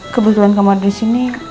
kebetulan kamu ada disini